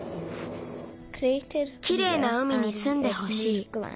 きれいな海にすんでほしい。